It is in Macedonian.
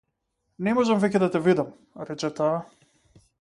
Не можам веќе да те видам, рече таа.